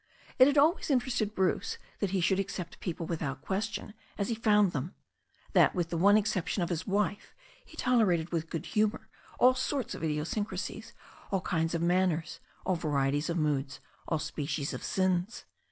It had always interested Bruce that he should accept people without question as he found them ; that, with the one exception of his wife, he tolerated with good humour all sorts of idiosyncrasies, all kinds of man ners, all varieties of moods, all species of sins.